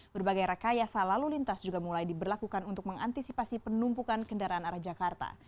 berbagai rekayasa lalu lintas juga mulai diberlakukan untuk mengantisipasi penumpukan kendaraan arah jakarta